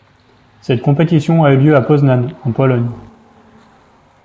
Cette compétition a eu lieu à Poznań en Pologne.